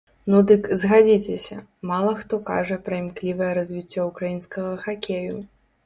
Ну дык, згадзіцеся, мала хто кажа пра імклівае развіццё ўкраінскага хакею.